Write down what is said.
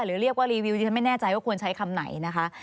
หรือเรียกว่ารีวิวที่ฉันไม่แน่ใจว่าควรใช้คำไหนนะคะ